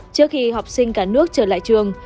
trước khi học sinh cả nước trở lại trường